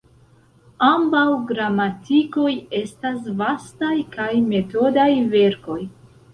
Ambaŭ gramatikoj estas vastaj kaj metodaj verkoj.